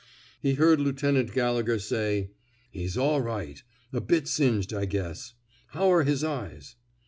He heard Lieutenant Gallegher say: He's all right. A bit singed, I guess. How are his eyes?